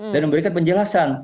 dan memberikan penjelasan